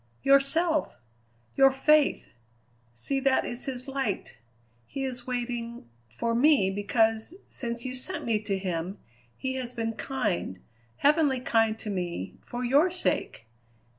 "Yourself! your faith! See, that is his light. He is waiting for me, because, since you sent me to him, he has been kind, heavenly kind to me, for your sake!